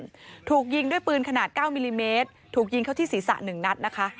สงครามถูกยิงด้วยปืนขนาดเก้ามิลลิเมตรถูกยิงเขาที่ศีรษะหนึ่งนัดนะคะ